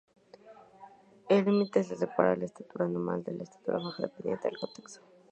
El límite que separa la estatura normal de la estatura baja depende del contexto.